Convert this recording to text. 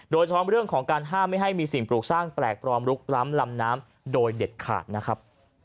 โดยเฉพาะเรื่องของการห้ามไม่ให้มีสิ่งปลูกสร้างแปลกปลอมลุกล้ำลำน้ำโดยเด็ดขาดนะครับ